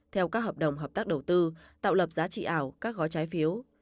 theo các hợp đồng hợp tác đầu tư tạo lập giá trị ảo các gói trái phiếu